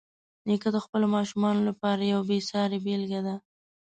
نیکه د خپلو ماشومانو لپاره یوه بېسارې بېلګه ده.